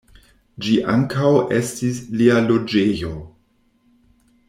Ĝi ankaŭ estis lia loĝejo.